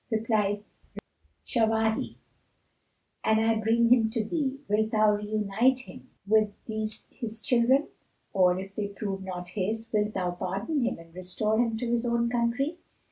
Replied Shawahi, "An I bring him to thee, wilt thou reunite him with these his children? Or, if they prove not his, wilt thou pardon him and restore him to his own country?"